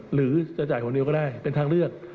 หรือจะจ่ายคนเดียวก็ได้เป็นทางเลือก